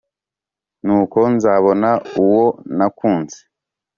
nuko nzabona uwo nakunze.